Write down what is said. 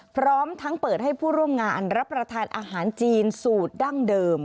พร้อมทั้งเปิดให้ผู้ร่วมงานรับประทานอาหารจีนสูตรดั้งเดิม